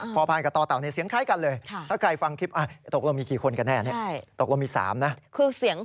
พอพานกับต่อเต่าในเสียงคล้ายกันเลย